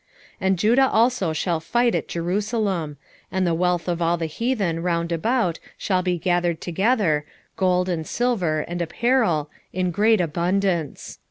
14:14 And Judah also shall fight at Jerusalem; and the wealth of all the heathen round about shall be gathered together, gold, and silver, and apparel, in great abundance.